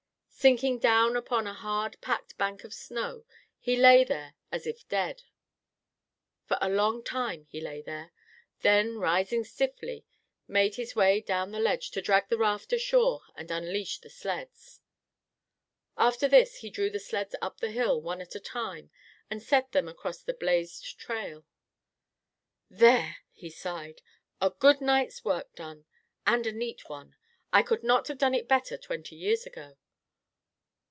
Sinking down upon a hard packed bank of snow, he lay there as if dead. For a long time he lay there, then rising stiffly, made his way down the ledge to drag the raft ashore and unlash the sleds. After this he drew the sleds up the hill one at a time and set them across the blazed trail. "There!" he sighed. "A good night's work done, and a neat one. I could not have done it better twenty years ago.